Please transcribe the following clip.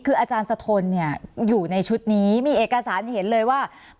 คืออาจารย์สะทนเนี่ยอยู่ในชุดนี้มีเอกสารเห็นเลยว่า